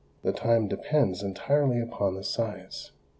The time depends entirely upon the size.